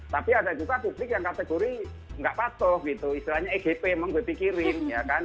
tapi ada juga publik yang kategori nggak patuh gitu istilahnya egp emang gue pikirin ya kan